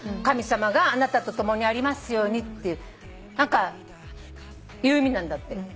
神様があなたとともにありますようにっていう意味なんだって。